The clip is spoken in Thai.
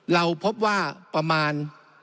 เราพบว่าประมาณ